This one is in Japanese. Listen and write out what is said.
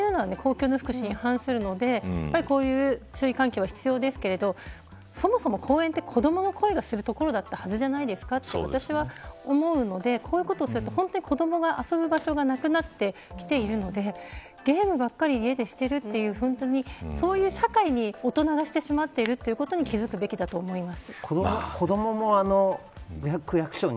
やっぱり夜は爆音というのは公共の福祉に反するのでこういう注意喚起は必要ですけどそもそも公園は子どもの声がする所だったはずじゃないですかと私は思うのでこういうことをすると、子どもが遊ぶ場所がなくなってきているのでゲームばっかり家でしているというそういう社会に大人がしてしまっているということに気付くべきだと思います。